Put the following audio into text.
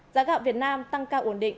giá gạo việt nam tăng cao ổn định